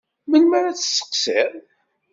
Melmi ara tt-tesseqsiḍ?